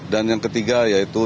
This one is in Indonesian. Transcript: dan yang ketiga ya itu